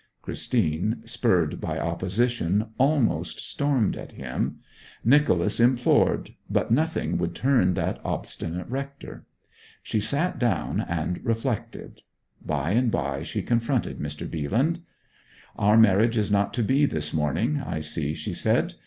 "' Christine, spurred by opposition, almost stormed at him. Nicholas implored; but nothing would turn that obstinate rector. She sat down and reflected. By and by she confronted Mr. Bealand. 'Our marriage is not to be this morning, I see,' she said.